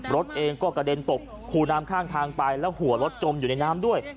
รถเองก็กระเด็นตกคูน้ำข้างทางไปแล้วหัวรถจมอยู่ในน้ำด้วย